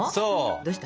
どうした？